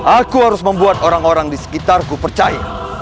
aku harus membuat orang orang di sekitarku percaya